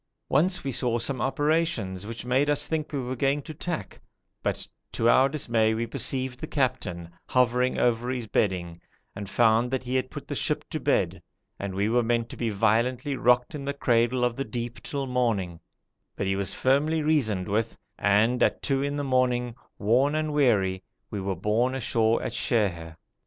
Once we saw some operations which made us think we were going to tack, but to our dismay we perceived the captain hovering over his bedding, and found that he had put the ship to bed, and we were meant to be violently rocked in the cradle of the deep till morning; but he was firmly reasoned with, and at two in the morning, worn and weary, we were borne ashore at Sheher.